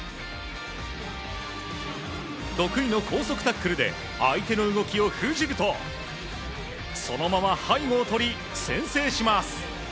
得意の高速タックルで相手の動きを封じると、そのまま背後を取り、先制します。